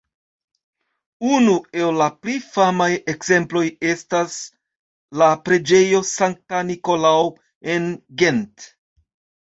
Unu el la pli famaj ekzemploj estas la preĝejo Sankta Nikolao en Gent.